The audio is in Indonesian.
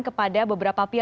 kepada beberapa pemerintah